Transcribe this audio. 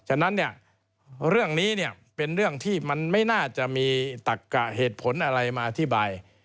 ฉะนั้นเนี่ยเรื่องนี้เนี่ยเป็นเรื่องที่มันไม่น่าจะมีตักกะเหตุผลอะไรมาอธิบาย